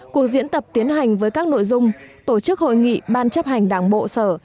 cuộc diễn tập tiến hành với các nội dung tổ chức hội nghị ban chấp hành đảng bộ sở